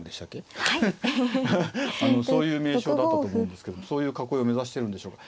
そういう名称だったと思うんですけどそういう囲いを目指してるんでしょう。